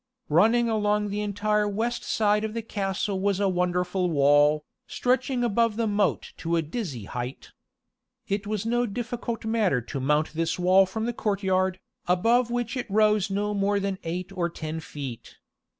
Running along the entire west side of the castle was a wonderful wall, stretching above the moat to a dizzy height. It was no difficult matter to mount this wall from the courtyard, above which it rose no more than eight or ten feet.